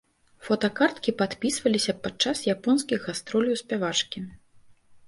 Фотакарткі падпісваліся падчас японскіх гастроляў спявачкі.